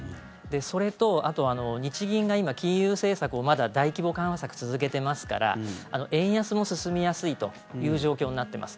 それと日銀が金融政策をまだ大規模緩和策続けてますから円安も進みやすいという状況になっています。